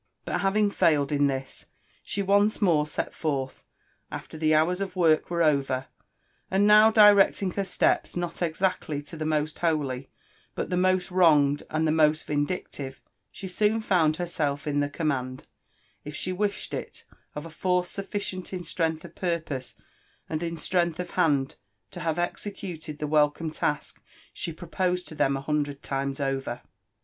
But having failed in this, she once more set forth, after the hours of work were over; and now di recting her steps, not exactly to the most holy, but the most wronged and the most vindictive, she soon found herself in the command, if she wished it, of a force sufficient in strength of purpose and in strength of hand to have executed the welcome task she proposed to them a hundried times over.